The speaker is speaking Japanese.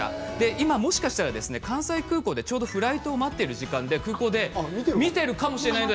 今、もしかしたら関西空港でちょうどフライトを待っている時間で空港で見ているかもしれません。